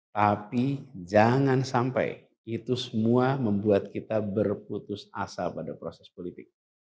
tapi jangan sampai itu semua membuat kita berputus asa pada proses politik